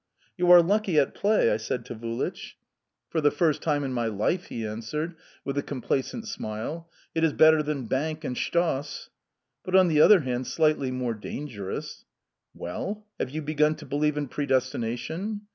"You are lucky at play!" I said to Vulich... "For the first time in my life!" he answered, with a complacent smile. "It is better than 'bank' and 'shtoss.'" "But, on the other hand, slightly more dangerous!" "Well? Have you begun to believe in predestination?"